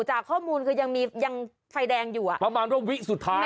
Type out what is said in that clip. จากข้อมูลคือยังมียังไฟแดงอยู่อ่ะประมาณว่าวิสุดท้าย